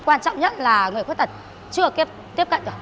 quan trọng nhất là người khuyết tật chưa tiếp cận được